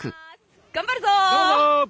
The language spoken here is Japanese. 頑張るぞ！